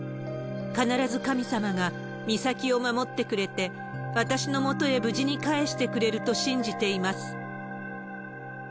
必ず神様が美咲を守ってくれて、私のもとへ無事に返してくれると信じています。